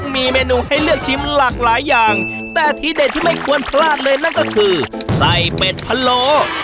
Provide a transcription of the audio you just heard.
มีเมนูให้เลือกชิมหลากหลายอย่างแต่ที่เด็ดที่ไม่ควรพลาดเลยนั่นก็คือไส้เป็ดพะโล